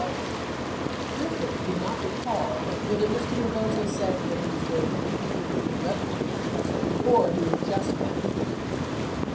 41 Griffin could not recall whether Mr. Rebozo said that he was going to meet with the Internal Revenue agents or he had just met with them.